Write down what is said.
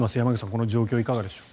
この状況いかがでしょう。